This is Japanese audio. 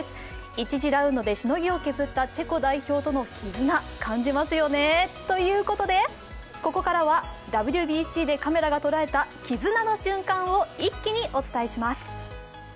１次ラウンドでしのぎを削ったチェコ代表との絆、絆、感じますよね。ということでここからはＷＢＣでカメラが捉えた絆の瞬間を一気にお伝えします。